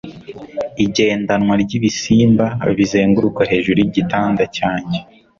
igendanwa ryibisimba bizenguruka hejuru yigitanda cyanjye